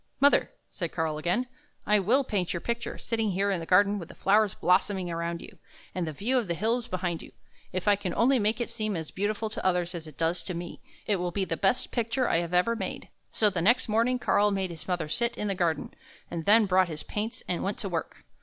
" Mother," said Karl again, " I will paint your picture, sitting here in the garden, with the flowers blossoming about you, and the view of the hills behind you. If I can only make it seem as beautiful to others as it does to me, it will be the best picture I have ever made." So the next morning Karl made his mother sit in the garden, and then brought his paints and went to work.